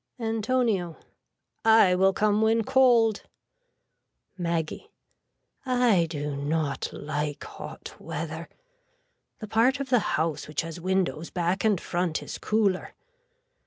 (Antonio.) I will come when called. (Maggie.) I do not like hot weather. The part of the house which has windows back and front is cooler.